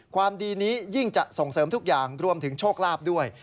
ความดีนี้ยิ่งจะส่งเสริมทุกอย่างรวมถึงโชคลาภด้วย